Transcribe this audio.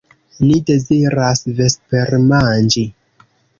Ni deziras vespermanĝi.